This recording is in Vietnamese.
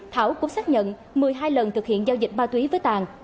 thảo cũng xác nhận một mươi hai lần thực hiện giao dịch ma túy với tàn